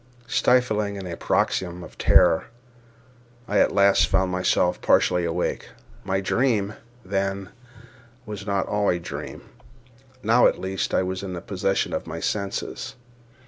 Stifling in a paroxysm of terror, I at last found myself partially awake. My dream, then, was not all a dream. Now, at least, I was in possession of my senses.